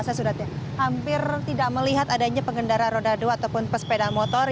saya sudah hampir tidak melihat adanya pengendara roda dua ataupun pesepeda motor